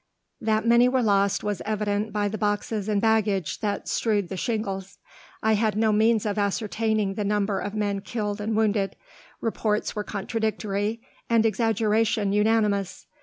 That many were lost was evident by the boxes and baggage that strewed the shingles. I had no means of ascertaining the number of men killed and wounded: reports were contradictory, and exaggeration unanimous.